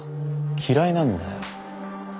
嫌いなんだよ